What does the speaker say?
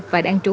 và đang trú